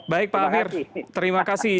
baik pak aher terima kasih